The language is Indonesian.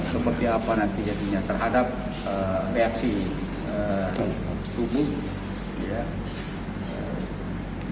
seperti apa nanti jadinya terhadap reaksi tubuh